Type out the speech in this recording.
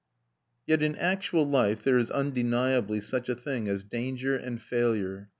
] Yet in actual life there is undeniably such a thing as danger and failure.